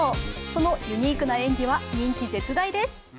そのユニークな演技は人気絶大です。